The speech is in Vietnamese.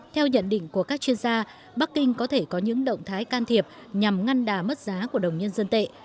theo nhận định của các chuyên gia bắc kinh có thể có những động thái can thiệp nhằm ngăn đà mất giá của đồng nhân dân tệ